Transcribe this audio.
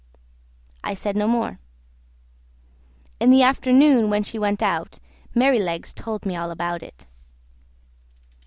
I said no more. In the afternoon, when she went out, Merrylegs told me all about it.